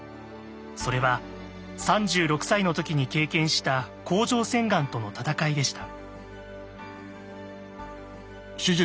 それは３６歳のときに経験した甲状腺がんとの闘いでした。